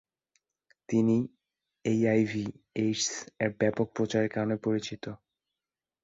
তিনি এইআইভি/এইডস এর ব্যাপক প্রচারের কারণে পরিচিত।